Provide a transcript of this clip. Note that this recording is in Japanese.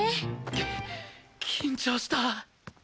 き緊張した。